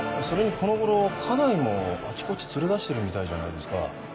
それにこの頃家内もあちこち連れ出してるみたいじゃないですか？